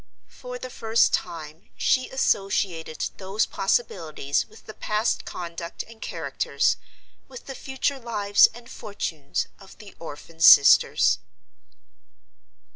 For the first time, she associated those possibilities with the past conduct and characters, with the future lives and fortunes of the orphan sisters.